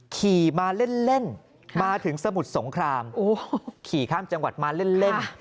ขี่มาเล่นมาถึงสมุทรสงครามขี่ข้ามจังหวัดมาเล่น